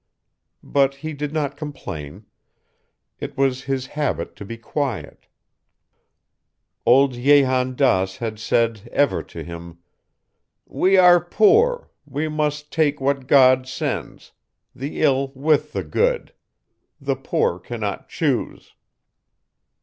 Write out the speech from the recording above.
But he did not complain: it was his habit to be quiet: old Jehan Daas had said ever to him, "We are poor: we must take what God sends the ill with the good: the poor cannot choose."